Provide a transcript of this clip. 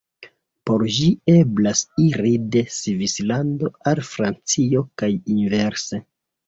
Per ĝi eblas iri de Svislando al Francio kaj inverse.